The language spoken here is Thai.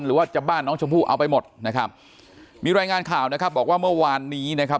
หรือว่าจะบ้านน้องชมพู่เอาไปหมดนะครับมีรายงานข่าวนะครับบอกว่าเมื่อวานนี้นะครับ